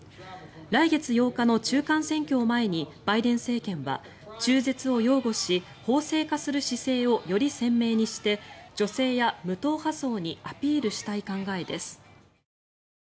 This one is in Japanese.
来月８日の中間選挙を前にバイデン政権は中絶を擁護し法制化する姿勢をより鮮明にして女性や無党派層にアピールしたい考えです。